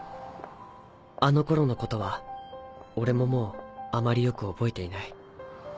あの頃のことは俺ももうあまりよく覚えていない。